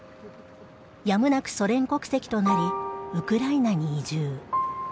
やむなくソ連国籍となりウクライナに移住。